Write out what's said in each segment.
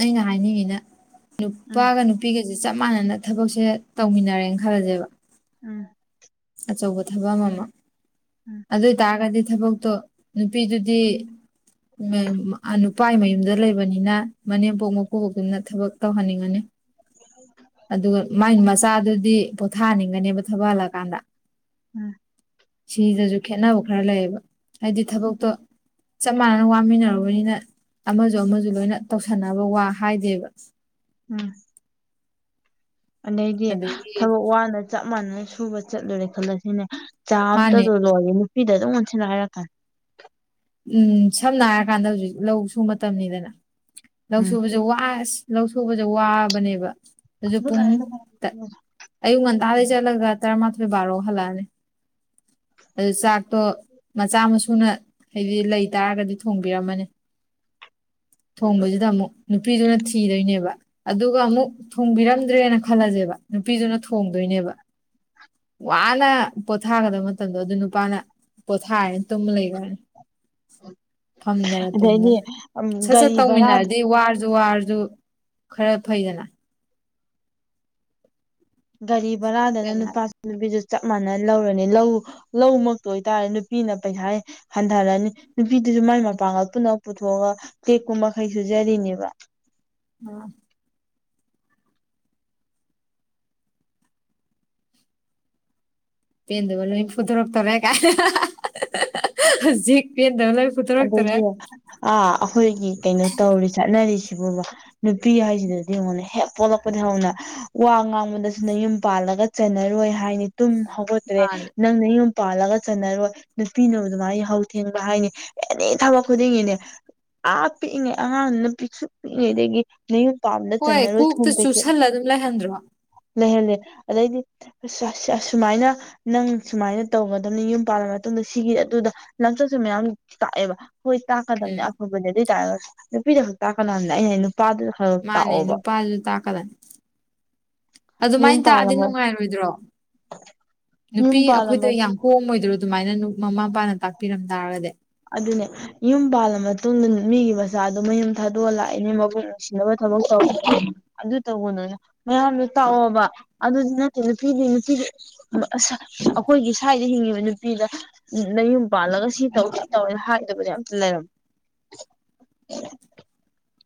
ꯑꯩꯅ ꯍꯥꯏꯅꯤꯡꯉꯤꯅ ꯎꯝ ꯅꯨꯄꯥꯒ ꯅꯨꯄꯤ ꯅꯨꯄꯤꯒꯁꯦ ꯆꯞ ꯃꯥꯟꯅꯅ ꯊꯕꯛꯁꯦ ꯇꯧꯃꯤꯟꯅꯔꯦꯅ ꯈꯜꯂꯁꯦꯕ ꯎꯝ ꯑꯆꯧꯕ ꯊꯕꯛ ꯑꯃ ꯃꯝ ꯎꯝ ꯑꯗꯨ ꯑꯣꯏꯇꯥꯔꯒꯗꯤ ꯊꯕꯛꯇꯣ ꯅꯨꯄꯤꯗꯨꯗꯤ ꯅꯨꯄꯥꯒꯤ ꯃꯌꯨꯝꯗ ꯂꯩꯕꯅꯤꯅ ꯃꯅꯦꯝꯄꯣꯛ ꯃꯄꯨꯕꯣꯛꯇꯨꯅ ꯊꯕꯛ ꯇꯧꯍꯟꯅꯤꯡꯉꯅꯤ [inaudible] ꯑꯗꯨꯒ ꯃꯥꯏ ꯃꯆꯥꯗꯨꯗꯤ ꯄꯣꯊꯥꯍꯟꯅꯤꯡꯒꯅꯦꯕ ꯊꯕꯛꯍꯜꯑꯀꯥꯟꯗ ꯎꯝ ꯁꯤꯗꯁꯨ ꯈꯦꯠꯅꯕ ꯈꯔ ꯂꯩꯌꯦꯕ ꯍꯥꯏꯗꯤ ꯊꯕꯛꯇꯣ ꯆꯞ ꯃꯥꯟꯅꯅ ꯋꯥꯃꯤꯟꯅꯔꯨꯕꯅꯤꯅ ꯑꯃꯁꯨ ꯑꯃꯁꯨ ꯂꯣꯏꯅ ꯇꯧꯁꯟꯅꯕ ꯋꯥ ꯍꯥꯏꯗꯦꯕ ꯎꯝ ꯑꯗꯩꯗꯤ ꯑꯗꯒꯤ ꯊꯕꯛ ꯋꯥꯅ ꯆꯞ ꯃꯥꯟꯅꯅ ꯁꯨꯕ ꯆꯠꯂꯨꯔꯦ ꯈꯜꯂꯁꯤꯅꯦ ꯆꯥ ꯃꯥꯅꯦ ꯑꯝꯇꯗꯣ ꯂꯣꯝꯂꯛꯑꯣ ꯅꯨꯄꯤꯗ ꯑꯗꯨꯝ ꯑꯣꯟꯁꯤꯟꯅ ꯍꯥꯏꯔꯀꯅꯤ ꯎꯝ ꯁꯝꯅ ꯍꯥꯏꯔ ꯀꯥꯟꯗ ꯍꯧꯖꯤꯛ ꯂꯧ ꯁꯨꯕ ꯃꯇꯝꯅꯤꯗꯅ ꯂꯧ ꯎꯝ ꯁꯨꯕꯁꯦ ꯋꯥꯁ ꯂꯧ ꯁꯨꯕꯁꯦ ꯋꯥꯕꯅꯦꯕ ꯑꯗꯨ ꯄꯨꯡ ꯑꯌꯨꯛ ꯉꯟꯇꯥꯗ ꯆꯠꯂꯒ ꯇꯔꯥꯃꯥꯊꯣꯏ ꯕꯥꯔꯣ ꯍꯜꯂꯛꯑꯅꯤ ꯑꯗꯨ ꯆꯥꯛꯇꯣ ꯃꯆꯥ ꯃꯁꯨꯅ ꯍꯥꯏꯗꯤ ꯂꯩꯇꯥꯥꯔꯒꯗꯤ ꯊꯣꯡꯕꯤꯔꯝꯃꯅꯤ ꯊꯣꯡꯕꯁꯤꯗ ꯑꯃꯨꯛ ꯅꯨꯄꯤꯗꯨꯅ ꯊꯤꯗꯣꯏꯅꯦꯕ ꯑꯗꯨꯒ ꯑꯃꯨꯛ ꯊꯣꯡꯕꯤꯔꯝꯗ꯭ꯔꯦꯅ ꯈꯜꯂꯁꯦꯕ ꯅꯨꯄꯤꯗꯨꯅ ꯊꯣꯡꯗꯣꯏꯅꯦꯕ ꯋꯥꯅ ꯄꯣꯊꯥꯒꯗꯕ ꯃꯇꯝꯗꯣ ꯑꯗꯨ ꯅꯨꯄꯥꯅ ꯄꯣꯊꯥꯔꯅꯤ ꯇꯨꯝ ꯂꯩꯒꯔꯅꯤ ꯐꯝꯗꯅ ꯑꯗꯩꯗꯤ ꯇꯨꯝꯗꯅ ꯁꯠ ꯁꯠ ꯒꯥꯔꯤ ꯚꯔꯥꯗ ꯇꯧꯃꯤꯟꯅꯔꯗꯤ ꯋꯥꯔꯁꯨ ꯋꯥꯔꯁꯨ ꯈꯔ ꯐꯩꯗꯅ ꯒꯥꯔꯤ ꯕꯔꯥꯗꯅ ꯀꯩꯅ ꯂꯨꯄꯥ ꯅꯨꯄꯤꯁꯨ ꯆꯞ ꯃꯥꯟꯅ ꯂꯧꯔꯅꯤ ꯂꯧ ꯂꯧꯃꯛꯇ ꯑꯣꯏꯇꯥꯔꯁꯨ ꯅꯨꯄꯤꯅ ꯄꯩꯁꯥ ꯍꯟꯊꯔꯅꯤ ꯅꯨꯄꯤꯗꯨꯁꯨ ꯃꯥꯏ ꯃꯄꯥꯡꯒꯜ ꯄꯨꯅꯃꯛ ꯄꯨꯊꯣꯛꯑꯒ ꯇꯦꯛꯄ ꯃꯈꯩ ꯁꯨꯖꯔꯤꯅꯦꯕ [unintelligible] ꯄꯦꯟꯗꯕ ꯂꯣꯏ ꯐꯨꯗꯣꯔꯛꯇꯣꯔꯦ ꯀꯥꯏ ꯍꯧꯖꯤꯛ ꯄꯦꯟꯗꯕ ꯂꯣꯏ ꯐꯨꯗꯣꯔꯛꯇꯧꯔꯦ ꯑꯗꯩꯗꯤ ꯑꯥ ꯑꯩꯈꯣꯏꯒꯤ ꯀꯩꯅꯣ ꯇꯧꯔꯤ ꯆꯠꯅꯔꯤꯁꯤꯕꯨꯕ ꯅꯨꯄꯤ ꯍꯥꯏꯁꯤꯗꯗꯤ ꯌꯥꯡꯉꯨꯅꯦ ꯍꯦꯛ ꯄꯣꯛꯂꯛꯄꯗꯒꯤ ꯍꯧꯅ ꯋꯥ ꯉꯥꯡꯕꯗꯁꯨ ꯅꯌꯨꯝ ꯄꯥꯜꯂꯒ ꯆꯟꯅꯔꯣꯏ ꯍꯥꯏꯅꯤ ꯇꯨꯝ ꯍꯧꯒꯠ ꯇ꯭ꯔꯦ ꯃꯥꯅꯦ ꯅꯪ ꯅꯌꯨꯝ ꯄꯥꯜꯂꯒ ꯆꯟꯅꯔꯣꯏ ꯅꯨꯄꯤꯅꯕꯨ ꯑꯗꯨ ꯃꯥꯥꯏ ꯌꯥꯍꯧ ꯊꯦꯡꯕ ꯍꯥꯏꯅꯤ ꯑꯦꯅꯤ ꯊꯕꯛ ꯈꯨꯗꯤꯡꯒꯤꯅꯦ ꯑꯥ ꯄꯤꯛꯏꯉꯩ ꯑꯉꯥꯡꯗꯨꯅ ꯄꯤꯁꯨꯛ ꯄꯤꯛꯏꯉꯩꯗꯒꯤ ꯅꯌꯨꯝ ꯄꯥꯟꯕꯗ ꯍꯣꯏ ꯆꯟꯅꯔꯣꯏ ꯊꯨꯝ ꯀꯣꯛꯇ ꯄꯦꯀꯩꯠ ꯆꯨꯁꯜꯂ ꯑꯗꯨꯝ ꯂꯩꯍꯟꯗ꯭ꯔꯣ ꯂꯩꯍꯜꯂꯦ ꯑꯗꯩꯗꯤ ꯑꯁꯨꯃꯥꯏꯅ ꯅꯪ ꯁꯨꯃꯥꯏꯅ ꯇꯧꯒꯗꯕꯅꯤ ꯌꯨꯝ ꯄꯥꯜꯂ ꯃꯇꯨꯡꯗ ꯁꯤꯒꯤ ꯑꯗꯨꯗ ꯂꯝꯆꯠꯁꯨ ꯃꯌꯥꯝ ꯇꯥꯛꯑꯦꯕ ꯍꯣꯏ ꯇꯥꯛꯀꯗꯕꯅꯦ ꯎꯝ ꯑꯐꯕꯅꯦ ꯑꯗꯨꯏ ꯇꯥꯔꯒꯁꯨ ꯅꯨꯄꯤꯗꯈꯛ ꯇꯥꯛꯀꯅꯨ ꯍꯥꯏꯕꯅꯦꯗꯥ ꯑꯩꯅ ꯍꯥꯏꯗꯤ ꯅꯨꯄꯥꯗꯨꯗ ꯈꯔ ꯈꯔ ꯃꯥꯅꯦ ꯇꯥꯛꯑꯣꯕ ꯅꯨꯄꯥꯁꯨ ꯇꯥꯀꯗꯝꯅꯦ ꯌꯨꯝ ꯑꯗꯨꯃꯥꯏꯅ ꯄꯥꯜꯂ ꯇꯥꯛꯑꯗꯤ ꯅꯨꯡꯉꯥꯏꯔꯣꯏꯗ꯭ꯔꯣ ꯌꯨꯝ ꯅꯨꯄꯤ ꯄꯥꯜꯂ ꯑꯩꯈꯣꯏꯗ ꯌꯥꯝ ꯀꯣꯝꯃꯣꯏꯗ꯭ꯔꯣ ꯑꯗꯨꯃꯥꯏꯅ ꯃꯃꯥ ꯃꯄꯥꯅ ꯇꯥꯛꯄꯤꯔꯝ ꯇꯥꯔꯒꯗꯤ ꯑꯗꯨꯅꯦ ꯌꯨꯝ ꯄꯥꯜꯂ ꯃꯇꯨꯡꯗ ꯃꯤꯒꯤ ꯃꯆꯥꯗꯣ ꯃꯌꯨꯝ ꯊꯥꯗꯣꯛꯑ ꯂꯥꯛꯏꯅꯦ ꯃꯕꯨꯡ [unintelligible] ꯑꯗꯨ ꯇꯧꯒꯅꯨꯅ ꯃꯌꯥꯝꯗꯣ ꯇꯥꯛꯑꯣꯕ ꯑꯗꯨꯗꯤ ꯅꯠꯇꯦ ꯅꯨꯄꯤꯗꯤ ꯅꯨꯄꯤꯗꯤ ꯑꯁ ꯑꯩꯈꯣꯏꯒꯤ ꯁ꯭ꯋꯥꯏꯗ ꯍꯤꯡꯉꯤꯕ ꯅꯨꯄꯤꯗ ꯅꯌꯨꯝ ꯄꯥꯜꯂꯒ ꯁꯤ ꯇꯧ ꯇꯧꯦ ꯍꯥꯏꯗꯕꯗꯤ ꯌꯥꯝꯇ ꯂꯩꯔꯝꯃꯦ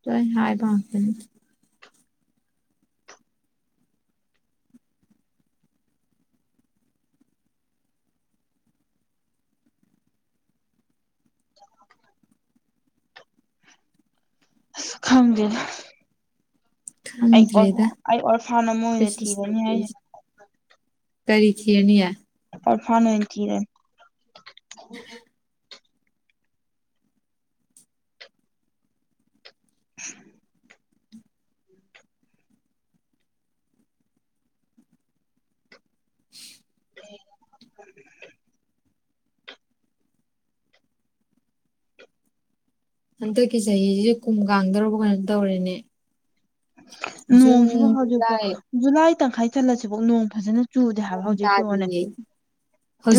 ꯇꯣꯏ ꯍꯥꯏꯥꯏꯕꯥꯎꯁꯅꯤ ꯁ ꯈꯝꯒ ꯊꯗ꯭ꯔꯦꯗ ꯑꯩ ꯑꯣꯔꯐꯥꯟ ꯑꯃ ꯑꯣꯏꯅ ꯊꯤꯔꯅꯤ ꯍꯥꯏꯁꯦ ꯀꯔꯤꯈꯤꯅꯤꯌꯦ ꯑꯣꯔ ꯐꯅ ꯀꯔꯦ [unintelligible] [unintelligible] [unintelligible] ꯍꯟꯗꯛꯀꯤ ꯆꯍꯤꯁꯤ ꯀꯨꯝ ꯀꯥꯡꯗꯧꯔꯕ ꯀꯩꯅꯣꯅ ꯇꯧꯔꯦꯅꯦ ꯖꯨꯟ ꯅꯣꯡꯁꯤꯕꯨ ꯍꯧꯖꯤꯛꯐꯥꯎ ꯖꯨꯂꯥꯏ ꯖꯨꯂꯥꯏ ꯇꯪꯈꯥꯏ ꯆꯠꯂꯁꯤꯕꯥꯎ ꯅꯣꯡ ꯐꯖꯅ ꯆꯨꯗꯦ ꯍꯥꯏꯕ ꯅꯣꯡ ꯍꯧꯖꯤꯛ ꯍꯉꯣꯅꯦ ꯇꯥꯗꯤꯌꯦ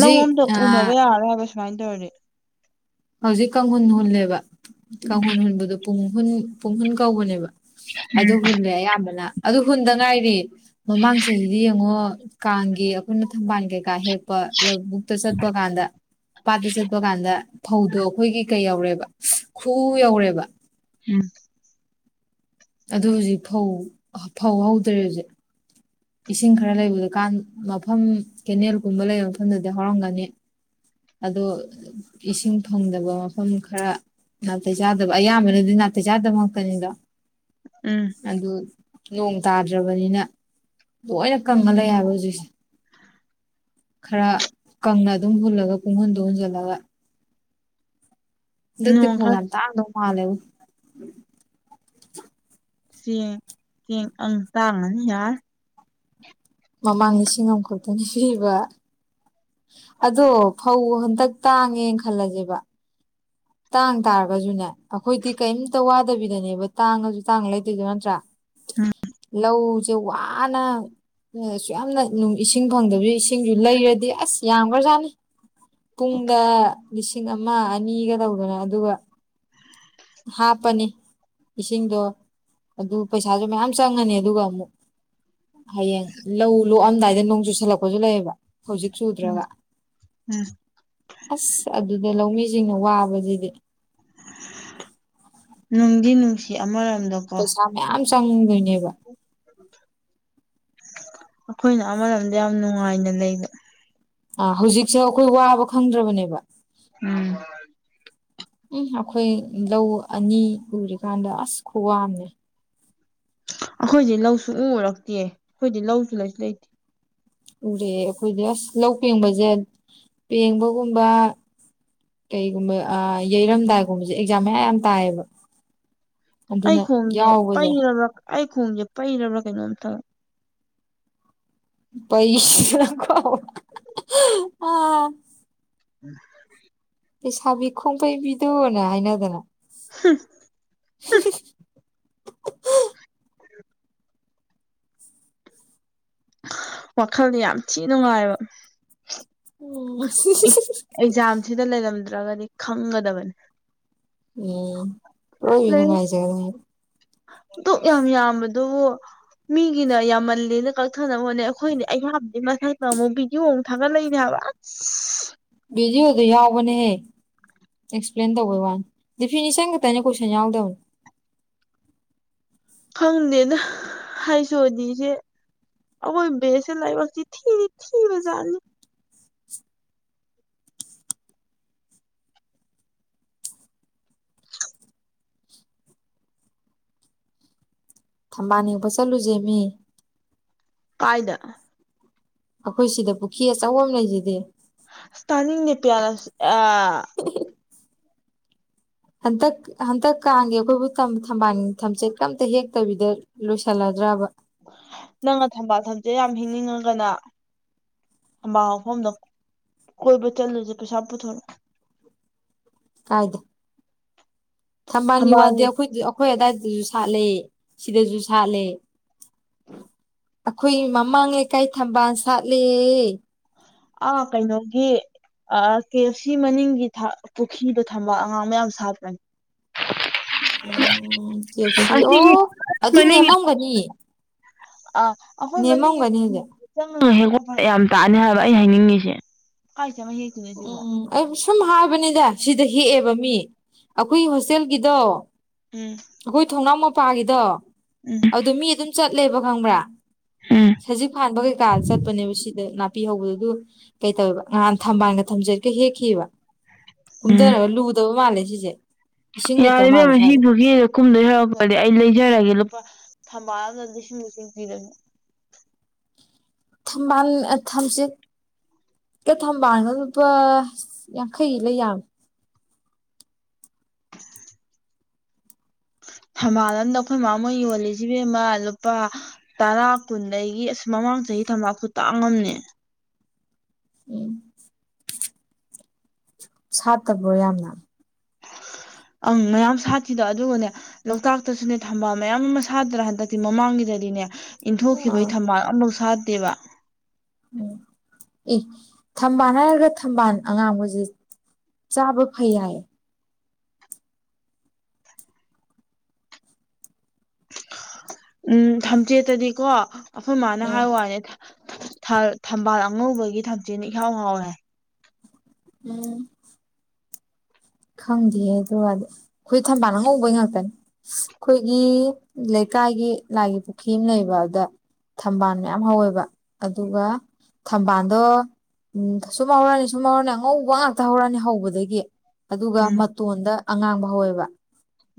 ꯂꯧ ꯑꯗ ꯎꯅꯕ ꯑꯥ ꯌꯥꯔꯣꯏ ꯍꯥꯏꯕ ꯁꯨꯃꯥꯏꯅ ꯇꯧꯔꯗꯤ ꯍꯧꯖꯤꯛ ꯀꯥꯡꯍꯨꯟ ꯍꯨꯜꯂꯦꯕ ꯎꯝ ꯀꯥꯡꯍꯨꯟ ꯍꯨꯟꯕꯗꯣ ꯄꯨꯡꯍꯨꯟ ꯄꯨꯡꯍꯨꯟ ꯀꯧꯕꯅꯦꯕ ꯑꯗꯨ ꯍꯨꯜꯂꯦ ꯑꯌꯥꯝꯕꯅ ꯑꯗꯨ ꯍꯨꯟꯗ ꯉꯥꯏꯔꯤ ꯃꯃꯥꯡ ꯆꯍꯤꯗꯤ ꯌꯦꯡꯉꯣ ꯀꯥꯡꯒꯤ ꯑꯩꯈꯣꯏꯅ ꯊꯝꯕꯥꯜ ꯀꯩꯀꯥ ꯍꯦꯛ ꯄ ꯂꯕꯨꯛꯇ ꯆꯠꯄ ꯀꯥꯟꯗ ꯄꯥꯠꯇ ꯆꯠꯄ ꯀꯥꯟꯗ ꯐꯧꯗꯣ ꯑꯩꯈꯣꯏꯒꯤ ꯀꯩ ꯌꯧꯔꯦꯕ ꯈꯨꯑꯨ ꯌꯧꯔꯦꯕ ꯎꯝ ꯑꯗꯨ ꯍꯧꯖꯤꯛ ꯐꯧ ꯐꯧ ꯍꯧꯗ꯭ꯔꯦ ꯍꯧꯖꯤꯛ ꯏꯁꯤꯡ ꯈꯔ ꯂꯩꯕꯗꯨꯀꯥꯟ ꯃꯐꯝ ꯀꯦꯅꯦꯜꯒꯨꯝꯕ ꯂꯩꯕ ꯃꯐꯝꯗꯗꯤ ꯍꯧꯔꯝꯒꯅꯤ ꯑꯗꯣ ꯏꯁꯤꯡ ꯐꯪꯗꯕ ꯃꯐꯝ ꯈꯔ ꯅꯥꯇꯩ ꯆꯥꯗꯕ ꯑꯌꯥꯝꯕꯅꯗꯤ ꯅꯥꯇꯩ ꯆꯥꯗꯕ ꯉꯥꯛꯇꯅꯤꯗꯣ ꯎꯝ ꯑꯗꯨ ꯅꯣꯡ ꯇꯥꯗ꯭ꯔꯕꯅꯤꯅ ꯂꯣꯏꯅ ꯀꯪꯉꯥ ꯂꯩ ꯍꯥꯏꯕ ꯍꯧꯖꯤꯛꯁꯤ ꯈꯔ ꯀꯪꯅ ꯑꯗꯨꯝ ꯍꯨꯜꯂꯒ ꯀꯨꯡꯍꯨꯟꯗꯨ ꯍꯨꯟꯖꯜꯂꯒ ꯍꯟꯗꯛꯇꯤ ꯅꯣꯡ ꯐꯧ ꯈꯔ ꯌꯥꯝ ꯇꯥꯡꯗꯧ ꯃꯥꯜꯂꯦꯕꯨ ꯆꯦꯡ ꯆꯦꯡ ꯑꯪ ꯇꯥꯡꯉꯅꯤ ꯌꯥꯔ ꯃꯃꯥꯡ ꯂꯤꯁꯤꯡ ꯑꯃꯈꯛꯇꯅꯤ ꯄꯤꯕ ꯑꯗꯣ ꯐꯧ ꯍꯟꯇꯛ ꯇꯥꯡꯉꯦ ꯈꯜꯂꯖꯦꯕ ꯇꯥꯡ ꯇꯥꯔꯒꯖꯨꯅꯦ ꯑꯩꯈꯣꯏꯗꯤ ꯀ꯭ꯌꯤꯝꯇ ꯋꯥꯗꯕꯤꯗꯅꯦꯕ ꯇꯥꯡꯉꯖꯨ ꯇꯥꯡ ꯂꯩꯗꯣꯏꯖꯦ ꯅꯠꯇ꯭꯭ꯔꯥ ꯂꯧꯖꯦ ꯋꯥꯅ [unintelligible] ꯑꯁꯨꯛꯌꯥꯝꯅ ꯅꯨꯡ ꯏꯁꯤꯡ ꯐꯪꯗꯕꯩꯖꯨ ꯏꯁꯤꯡꯖꯨ ꯂꯩꯔꯗꯤ ꯑꯁ ꯌꯥꯝꯒ꯭ꯔꯖꯥꯠꯅꯤ ꯄꯨꯡꯗ ꯂꯤꯁꯤꯡ ꯑꯃ ꯑꯅꯤꯒ ꯇꯧꯗꯅ ꯑꯗꯨꯒ ꯍꯥꯞꯄꯅꯤ ꯏꯁꯤꯡꯗꯣ ꯑꯗꯨ ꯄꯩꯁꯥꯖꯨ ꯃꯌꯥꯝ ꯆꯪꯉꯅꯤ ꯑꯗꯨꯒ ꯑꯃꯨꯛ ꯍꯌꯦꯡ ꯂꯧ ꯂꯣꯛꯑꯝꯗꯥꯏꯗ ꯅꯣꯡ ꯆꯨꯁꯜꯂꯛꯄꯖꯨ ꯂꯩꯕ ꯍꯧꯖꯤꯛ ꯆꯨꯗ꯭ꯔꯒ ꯎꯝ ꯑꯁ ꯑꯗꯨꯗ ꯂꯧꯃꯤꯖꯤꯡꯅ ꯋꯥꯕ ꯗꯩꯗꯤ ꯅꯨꯡꯗꯤ ꯅꯨꯡꯁꯤ ꯑꯃꯔꯣꯝꯗ ꯄꯩꯁꯥ ꯃꯌꯥꯝ ꯆꯪꯗꯣꯏꯅꯦꯕ ꯑꯩꯈꯣꯏꯅ ꯑꯃꯔꯣꯝꯗ ꯌꯥꯝ ꯅꯨꯡꯉꯥꯏꯅ ꯂꯩꯕ ꯑ ꯍꯧꯖꯤꯛꯁꯦ ꯑꯩꯈꯣꯏ ꯋꯥꯕ ꯈꯪꯗ꯭ꯔꯕꯅꯦꯕ ꯎꯝ ꯎꯝ ꯑꯩꯈꯣꯏ ꯂꯧ ꯑꯅꯤ ꯎꯔꯤꯀꯥꯟꯗ ꯑꯁ ꯈꯨꯋꯥꯑꯝꯅꯤ ꯑꯩꯈꯣꯏꯗꯤ ꯂꯧ ꯁꯨꯡꯎ ꯎꯔꯛꯇꯤꯌꯦ ꯑꯩꯈꯣꯏꯗꯤ ꯂꯧꯁꯨ ꯂꯩꯁꯨ ꯂꯩꯇꯦ ꯎꯔꯛꯑꯦ ꯑꯩꯈꯣꯏꯗꯤ ꯑꯁ ꯂꯧ ꯄꯦꯡꯕꯖꯦ ꯄꯦꯡꯕꯒꯨꯝꯕ ꯀꯩꯒꯨꯝꯕ ꯑ ꯌꯩꯔꯝꯗꯥꯏꯒꯨꯝꯕꯖꯦ ꯑꯦꯛꯖꯥꯝ ꯃꯌꯥ ꯌꯥꯝ ꯇꯥꯏꯕ ꯑꯩ ꯈꯣꯡꯖꯦ ꯌꯥꯎꯕꯁꯦ ꯄꯩꯔꯕ꯭ꯔꯥ ꯑꯩ ꯈꯣꯡꯖꯦ ꯄꯩꯔꯕ꯭ꯔꯥ ꯀꯩꯅꯣꯝ ꯇꯧꯏ ꯄꯩꯁꯥꯀꫭ [unintelligible] [unintelligible] ꯂꯩꯁꯥꯕꯤ ꯈꯣꯡꯄꯩꯕꯤꯗꫭꯅ ꯍꯥꯏꯅꯗꯅ [unintelligible] ꯋꯥꯈꯜꯗꯤ ꯌꯥꯝ ꯊꯤ ꯅꯨꯡꯉꯥꯏꯕ ꯎꯝ ꯑꯦꯛ ꯑꯦꯛꯖꯥꯝꯁꯤꯗ ꯂꯩꯔꯝꯗ꯭ꯔꯒꯗꯤ ꯈꯪꯒꯗꯕꯅꯤ ꯎꯝ ꯑꯣꯏ ꯂꯥꯏꯔꯤꯛ ꯅꯨꯡꯉꯥꯏꯖꯔꯝꯅꯤ ꯗꯨꯛ ꯌꯥꯝ ꯌꯥꯝꯕꯗꯨ ꯃꯤꯒꯤꯅ ꯌꯥꯝꯃꯜꯂꯦꯅ ꯀꯛꯊꯅꯕ ꯍꯣꯠꯅꯩ ꯑꯩꯈꯣꯏꯅ ꯑꯌꯥꯝꯕꯗꯨꯏ ꯃꯊꯛꯇ ꯑꯃꯨꯛ ꯕꯤꯗꯤꯑꯣ ꯑꯃꯨꯛ ꯊꯥꯡꯒꯠꯂꯛꯏꯅꯦ ꯍꯥꯏꯕ [unintelligible] [unintelligible] ꯕꯤꯗꯤꯌꯣꯗ ꯌꯥꯎꯕꯅꯦ ꯑꯦꯛꯁꯄ꯭ꯂꯦꯟ ꯇꯧꯕꯩ ꯋꯥꯟ ꯗꯤꯐꯤꯅꯤꯁꯟ ꯈꯛꯇꯅꯦ ꯀꯣꯏꯁꯟ ꯌꯥꯎꯗꯝ ꯈꯪꯗ‌ꯦꯗꯥ ꯌꯩꯁꯑꫭꯗꯤꯖꯦ ꯑꯈꯣꯏ ꯕꯦꯁꯦ ꯂꯥꯏꯕꯛ ꯆꯤ ꯊꯤꯗꯤ ꯊꯤꯕ ꯖꯥꯠꯅꯤ ꯊꯝꯕꯥꯜ ꯍ‌ꯦꯛꯄ ꯆꯠꯂꯨꯁꯦ ꯃꯤ ꯀꯥꯏꯗ ꯑꯩꯈꯣꯏ ꯁꯤꯗ ꯄꯨꯈ꯭ꯔꯤ ꯑꯆꯧꯕ ꯑꯃ ꯂꯩꯁꯤꯗꯦ ꯇꯥꯅꯤꯡꯗ‌ꯦ ꯅꯦꯄꯦꯌꯥꯅꯁꯤ ꯑ ꯍꯟꯇꯛ ꯍꯟꯇꯛ ꯀꯥꯡꯒꯤꯦ ꯑꯩꯈꯣꯏꯕꯨ ꯊꯝꯕꯥꯟ ꯊꯝꯆꯦꯠ ꯀꯝꯇ ꯍꯦꯛꯇꯕꯤꯗ ꯂꯣꯏꯁꯜꯂꯗ꯭ꯔꯕ ꯅꯪꯅ ꯊꯝꯕꯥꯜ ꯊꯝꯁꯦ ꯌꯥꯝ ꯍꯤꯡꯅꯤꯡꯉꯒꯅ ꯊꯝꯕꯥ ꯍꯥꯐꯝꯗ ꯀꯣꯏꯕ ꯆꯠꯂꯨꯁꯦ ꯄꯩꯁꯥ ꯄꯨꯊꯣꯔꯛ ꯀꯥꯏꯗꯦ ꯊꯝꯕꯥꯜꯒꯤ ꯋꯥ ꯑꯩꯗꯣꯏ ꯑꯩꯈꯣꯏ ꯑꯗꯥꯋꯥꯏꯗꯁꯨ ꯁꯥꯠꯂꯦ ꯁꯤꯗꯁꯨ ꯁꯥꯠꯂꯦ ꯑꯩꯈꯣꯏ ꯃꯃꯥꯡ ꯂꯩꯀꯥꯏ ꯊꯝꯕꯥꯜ ꯁꯥꯠꯂꯦ ꯑ ꯀꯩꯅꯣꯒꯤ ꯀꯦ ꯑꯦꯐ ꯁꯤ ꯃꯅꯤꯡꯒꯤ ꯄꯨꯈ꯭ꯔꯤꯗꯣ ꯊꯝꯕ ꯑꯉꯥꯡ ꯃꯌꯥꯝ ꯁꯥꯠꯄꯅꯤ ꯎꯝ ꯑꯁꯤꯒꯤ ꯃꯅꯤꯡꯒꯤ ꯑꯅꯤ ꯑꯥ ꯑꯩꯈꯣꯏ ꯃꯅꯤꯡꯒꯤ ꯍꯧꯖꯤꯛ ꯆꯪ ꯍꯦꯛꯒꯠꯄ ꯌꯥꯝ ꯇꯥꯅꯤ ꯍꯥꯏꯕ ꯑꯩ ꯍꯥꯏꯅꯤꯡꯉꯤꯁꯦ ꯍꯦꯛꯇꯣꯏꯅꯣ ꯁꯤꯕꯣ ꯎꯝ ꯑꯩ ꯁꯨꯝ ꯍꯥꯏꯕꯅꯤꯗ ꯁꯤꯗ ꯍꯦꯛꯑꯦꯕ ꯃꯤ ꯑꯩꯈꯣꯏꯒꯤ ꯍꯣꯁꯇꯦꯜꯒꯤꯗꯣ ꯎꯝ ꯑꯩꯈꯣꯏ ꯊꯣꯡꯅꯥꯎ ꯃꯄꯥꯒꯤꯗꯣ ꯎꯝ ꯑꯗꯨ ꯃꯤ ꯑꯗꯨꯝ ꯆꯠꯂꯦꯕ ꯈꯪꯕ꯭ꯔꯥ ꯎꯝ ꯁꯖꯤꯛ ꯐꯥꯟꯕ ꯀꯩꯀꯥ ꯆꯠꯄꯅꯦꯕ ꯁꯤꯗ ꯄꯤꯍꯧꯕꯗꯨ ꯀꯩ ꯇꯧꯋꯦꯕ ꯉꯍꯥꯟ ꯊꯝꯕꯥꯜꯒ ꯊꯝꯖꯔꯤꯒ ꯍꯦꯛꯈꯤꯕ ꯎꯝ ꯀꯨꯝꯊꯔꯒ ꯂꯨꯗꯕ ꯃꯥꯜꯂꯦ ꯁꯤꯁꯦ ꯏꯁꯤꯡ ꯌꯥꯔ‌ꯦ ꯂꯩꯇꯕ ꯃꯥꯜꯂꯦ ꯏꯕ‌ꯦꯝꯃ ꯁ꯭ꯋꯥꯏꯗ ꯁꯤꯗꯨꯒꯤ ꯀꯨꯝꯗꯣꯏ ꯍꯧꯔꯛꯄꯗꯤ ꯑꯩ ꯂꯩꯖꯔꯒꯦ ꯂꯨꯄꯥ ꯊꯝꯕꯥꯜ ꯑꯃꯗ ꯂꯤꯁꯤꯡ ꯂꯤꯁꯤꯡ ꯄꯤꯔꯅꯤ ꯊꯝꯕꯥꯜ ꯊꯝꯆ‌ꯦꯠ ꯀ ꯊꯝꯕꯥꯜꯅ ꯂꯨꯄꯥ ꯌꯥꯡꯈꯩ ꯂꯩ ꯌꯥꯕꯔ ꯊꯕꯥꯂꯟꯗ ꯑꯩꯈꯣꯏ ꯃꯃꯥ ꯑꯃ ꯌꯣꯜꯂꯤꯁꯤꯕꯦꯝꯃ ꯂꯨꯄꯥ ꯇꯔꯥ ꯀꯨꯟꯗꯒꯤ ꯑꯁ ꯃꯃꯥꯡ ꯆꯍꯤ ꯊꯝꯕꯥꯄꯨ ꯇꯥꯡꯉꯝꯅꯦ ꯎꯝ ꯁꯥꯠꯇꯕ꯭ꯔꯣ ꯌꯥꯝꯅ ꯑꯪ ꯃꯌꯥꯝ ꯁꯥꯠꯈꯤꯗ ꯑꯗꯨꯒꯅꯦ ꯂꯣꯛꯇꯥꯛꯇꯁꯨꯅꯦ ꯊꯝꯕꯥꯜ ꯃꯌꯥꯝ ꯑꯃ ꯁꯥꯗ꯭ꯔꯥ ꯍꯟꯗꯛꯇꯤ ꯃꯃꯥꯡꯒꯤꯗꯗꯤꯅꯦ ꯏꯟꯊꯣꯛꯈꯤꯕꯩ ꯑꯥ ꯊꯝꯕꯥꯜ ꯑꯃꯐꯧ ꯁꯥꯥꯗꯦꯕ ꯎꯝ ꯑꯦ ꯊꯝꯕꯥꯜ ꯍꯥꯏꯔꯒ ꯊꯝꯕꯥꯜ ꯑꯉꯥꯡꯕꯁꯦ ꯆꯕ ꯐꯩ ꯍꯥꯏ ꯎꯝ ꯊꯝꯆꯦꯠꯇꯗꯤꯀꯣ ꯑꯩꯈꯣꯏ ꯃꯥꯅ ꯎꯝ ꯍꯥꯏ ꯋꯥꯅꯦ ꯊꯝꯕꯥꯜ ꯑꯉꯧꯕꯒꯤ ꯊꯝꯆꯦꯠꯅ ꯏꯍꯥꯎ ꯍꯥꯎꯏ ꯍꯥꯏ꯫ ꯎꯝ꯫ ꯈꯪꯗꯦꯍꯦ ꯑꯗꯨꯒꯗꯤ ꯑꯩꯈꯣꯏ ꯊꯝꯕꯥꯜꯅ ꯉꯧꯕꯩ ꯉꯥꯛꯇꯅꯦ꯫ ꯑꯩꯈꯣꯏꯒꯤ ꯂꯩꯀꯥꯏꯒꯤ ꯂꯥꯏꯒꯤ ꯄꯨꯈ꯭ꯔꯤ ꯑꯃ ꯂꯩꯕ ꯑꯗ ꯊꯝꯕꯥꯜ ꯃꯌꯥꯝ ꯍꯧꯋꯦꯕ ꯑꯗꯨꯒ ꯊꯝꯕꯥꯜꯗꯣꯝ ꯁꯨꯝ ꯍꯧꯔꯛꯑꯅꯤ ꯁꯨꯝ ꯍꯧꯔꯛꯑꯅꯤ ꯑꯉꯧꯕ ꯉꯥꯛꯇ ꯍꯧꯔꯛꯑꯅꯤ ꯍꯧꯕꯗꯒꯤ ꯑꯗꯨꯒ ꯎꯝ ꯃꯇꯣꯟꯗ ꯑꯉꯥꯡꯕ ꯍꯧꯋꯦꯕ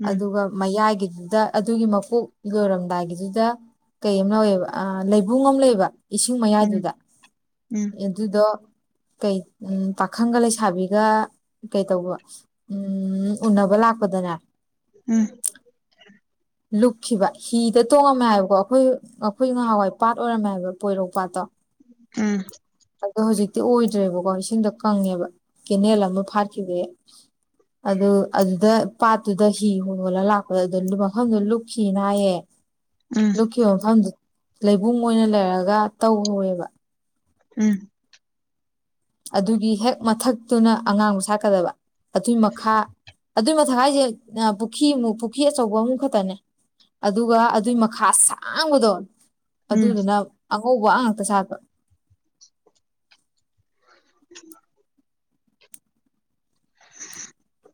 ꯎꯝ ꯑꯗꯨꯒ ꯃꯌꯥꯏꯒꯤꯗꯨꯗ ꯑꯗꯨꯒꯤ ꯃꯀꯣꯛ ꯂꯣꯏꯔꯝꯗꯥꯏꯒꯤꯗꯨꯗ ꯀꯩꯅꯣꯝ ꯇꯧꯋꯦꯕ ꯂꯩꯕꯨꯡ ꯑꯃ ꯂꯩꯌꯦꯕ ꯏꯁꯤꯡ ꯎꯝ ꯃꯌꯥꯏꯗꯨꯗ ꯎꯝ ꯑꯗꯨꯗꯣ ꯀꯩ ꯄꯥꯈꯪꯒ ꯂꯩꯁꯥꯕꯤꯒ ꯀꯩꯇꯧꯕ ꯎꯝ ꯎꯅꯕꯜ ꯍꯥꯥꯛꯄꯗꯅꯦ ꯎꯝ꯫ ꯂꯨꯞꯈꯤꯕ ꯍꯤꯗ ꯇꯣꯡꯉꯝꯃꯦ ꯍꯥꯏꯕꯀꯣ ꯑꯩꯈꯣꯏ ꯑꯩꯈꯣꯏ ꯅꯍꯥꯟꯋꯥꯏ ꯄꯥꯠ ꯑꯣꯏꯔꯝꯃꯦꯕ ꯄꯣꯏꯔꯧ ꯄꯥꯠꯇꯣ ꯎꯝ꯫ ꯑꯗꯣ ꯍꯧꯖꯤꯛꯇꯤ ꯑꯣꯏꯗ꯭ꯔꯦꯕꯀꯣ ꯏꯁꯤꯡꯗ ꯀꯪꯉꯦꯕ ꯀꯦꯅꯦꯜ ꯑꯃ ꯐꯥꯠꯈꯤꯕꯩ꯫ ꯑꯗꯨ ꯑꯗꯨꯗ ꯄꯥꯠꯇꯨꯗ ꯍꯤ ꯍꯣ ꯍꯣꯜꯂ ꯂꯥꯛꯄ ꯑꯗꯨ ꯃꯐꯝꯗꯣ ꯂꯨꯞꯈꯤꯅ ꯍꯥꯏꯌꯦ ꯎꯝ ꯂꯨꯞ ꯈꯤꯕ ꯃꯐꯝꯗꯨ ꯂꯩꯕꯨꯡ ꯑꯣꯏꯅ ꯂꯩꯔꯒ ꯇꯧꯍꯧꯋꯦꯕ꯫ ꯎꯝ꯫ ꯑꯗꯨꯒꯤ ꯍꯦꯛ ꯃꯊꯛꯇꯨꯅ ꯑꯉꯥꯡꯕꯨ ꯁꯥꯠꯀꯗꯕ ꯑꯗꯨꯏ ꯃꯈꯥ ꯑꯗꯨꯏ [unintelligible] ꯄꯨꯈ꯭ꯔꯤ ꯄꯨꯈ꯭ꯔꯤ ꯑꯆꯧꯕ ꯑꯍꯨꯝ ꯈꯛꯇꯅꯦ꯫ ꯑꯗꯨꯒ ꯑꯗꯨꯒꯤ ꯃꯈꯥ ꯁꯥꯡꯕꯗꯣ ꯎꯝ ꯑꯗꯨꯗꯨꯅ ꯑꯉꯧꯕ ꯉꯥꯛꯇ ꯁꯥꯠꯄ꯫ [unintelligible] [unintelligible]